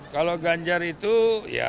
kalau ganjar itu ya